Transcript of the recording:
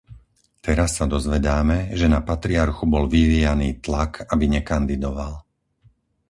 Teraz sa dozvedáme, že na patriarchu bol vyvíjaný tlak, aby nekandidoval.